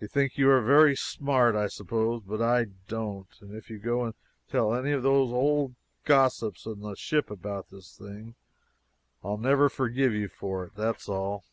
You think you are very smart, I suppose, but I don't. And if you go and tell any of those old gossips in the ship about this thing, I'll never forgive you for it; that's all."